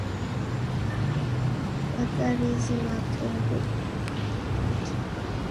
渡島当別駅